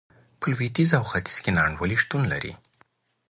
په لوېدیځ او ختیځ کې نا انډولي شتون لري.